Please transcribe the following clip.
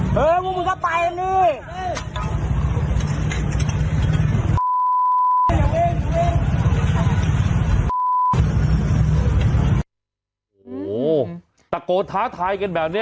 โอ้โหตะโกนท้าทายกันแบบนี้